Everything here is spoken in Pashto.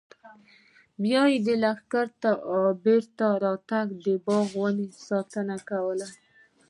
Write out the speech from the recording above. بیا به یې د لښکر تر بېرته راتګ د باغ د ونو ساتنه کوله.